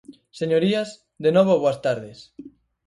Señorías, de novo boas tardes.